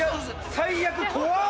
最悪怖っ！